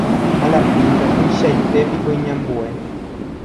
alapínta tuichaite piko iñambue